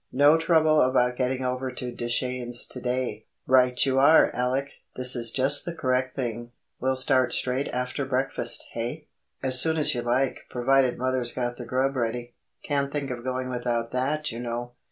"No trouble about getting over to Deschenes to day." "Right you are, Alec! This is just the correct thing. We'll start straight after breakfast—hey?" "As soon as you like, provided mother's got the grub ready. Can't think of going without that, you know."